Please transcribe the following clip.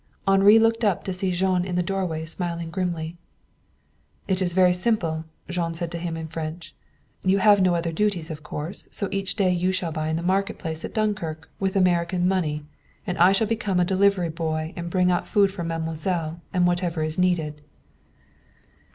Henri looked up, to see Jean in the doorway smiling grimly. "It is very simple," Jean said to him in French. "You have no other duties of course; so each day you shall buy in the market place at Dunkirk, with American money. And I shall become a delivery boy and bring out food for mademoiselle, and whatever is needed."